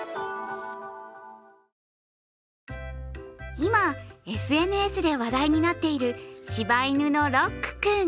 今、ＳＮＳで話題になっている柴犬のロック君。